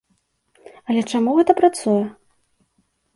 Але чаму гэта працуе?